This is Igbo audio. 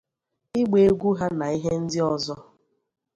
ịgba egwu ha na ihe ndị ọzọ